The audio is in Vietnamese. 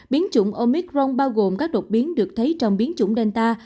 biến chủng omicron bao gồm các đột biến được thấy trong biến chủng delta